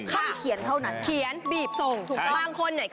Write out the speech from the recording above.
ห้ามเขียนเท่านั้นใช่ใช่ใช่ใช่ใช่ใช่ใช่ใช่ใช่ใช่ใช่ใช่